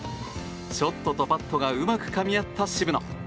ショットとパットがうまくかみ合った渋野。